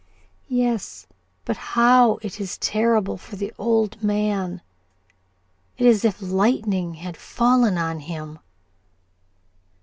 "Yes. But, how it is terrible for the old man! It is as if the lightning had fallen on him."